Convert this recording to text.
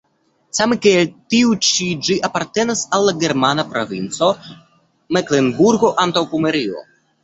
Same kiel tiu ĉi ĝi apartenas al la germana provinco Meklenburgo-Antaŭpomerio.